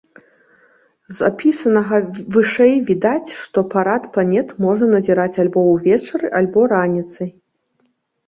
З апісанага вышэй відаць, што парад планет можна назіраць альбо ўвечары, альбо раніцай.